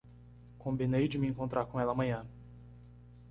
Combinei de me encontrar com ela amanhã